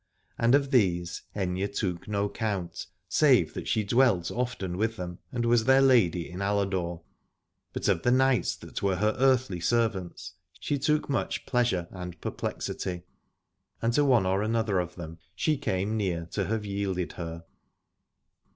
And of these Aithne took no count, save that she dwelt often with them 69 Aladore and was their lady in Aladore. But of the knights that were her earthly servants she took much pleasure and perplexity : and to one or another of them she came near to have yielded her.